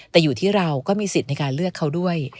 แต่อยู่ที่เราก็มีสิทธิ์ในการเลือกเขาด้วย